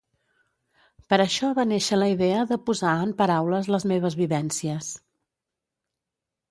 Per això va néixer la idea de posar en paraules les meves vivències.